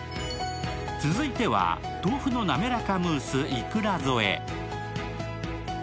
続いては、豆腐のなめらかムースいくら添え。